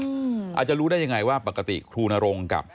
อาจจะรู้ได้ยังไงว่าปกติครูนรงกับ